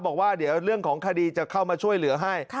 บอกว่าเดี๋ยวเรื่องของคดีจะเข้ามาช่วยเหลือให้